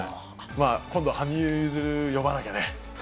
今度、羽生結弦呼ばなきゃね。